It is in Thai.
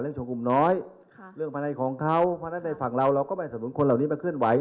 เรื่องภาษาในของเขาภาษาในฝั่งเราเราก็ไม่สมมุติคนเหล่านี้มาเคลื่อนไหว